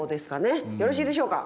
よろしいでしょうか？